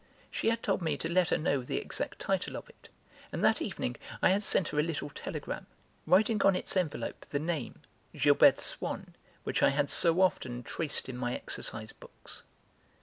She had told me to let her know the exact title of it, and that evening I had sent her a little telegram, writing on its envelope the name, Gilberte Swann, which I had so often, traced in my exercise books.